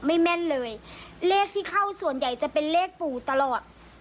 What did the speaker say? แม่นเลยเลขที่เข้าส่วนใหญ่จะเป็นเลขปู่ตลอด